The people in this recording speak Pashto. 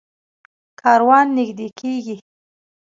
کاروان نږدې کېږي.